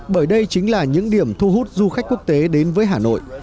bởi đây chính là những điểm thu hút du khách quốc tế đến với hà nội